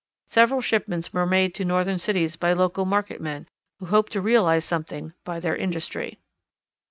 Several shipments were made to Northern cities by local market men, who hoped to realize something by their industry.